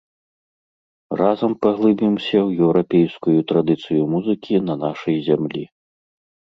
Разам паглыбімся ў еўрапейскую традыцыю музыкі на нашай зямлі.